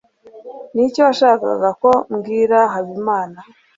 Niki washakaga ko mbwira Habimana?